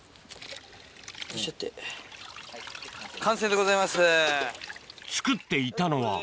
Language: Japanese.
完成でございます。